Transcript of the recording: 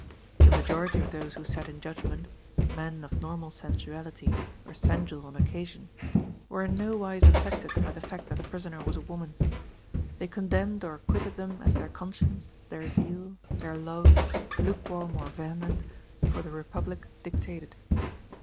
The majority of those who sat in judgment, men of normal sensuality or sensual on occasion, were in no wise affected by the fact that the prisoner was a woman. They condemned or acquitted them as their conscience, their zeal, their love, lukewarm or vehement, for the Republic dictated.